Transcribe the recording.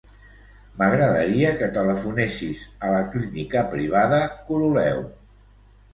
M'agradaria que telefonessis a la Clínica Privada Coroleu.